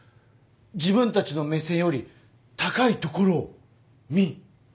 自分たちの目線より高い所を探し。